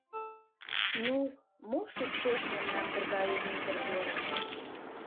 Ну, мо шупшеш мемнам тыгае мӱндыр верыш?